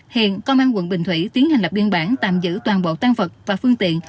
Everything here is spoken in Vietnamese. hiện công an quận bình thủy tiến hành lập biên bản tạm giữ toàn bộ tan vật và phương tiện